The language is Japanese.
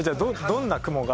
どんな雲が？